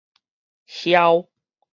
囂